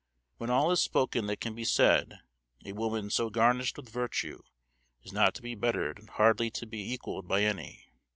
When all is spoken that can be saide a woman so garnished with virtue as not to be bettered and hardly to be equalled by any.